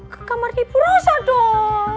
ke kamarnya ibu rosa dong